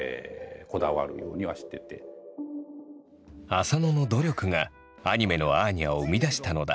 浅野の努力がアニメのアーニャを生み出したのだ。